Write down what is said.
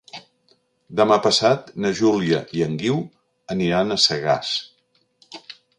Demà passat na Júlia i en Guiu aniran a Sagàs.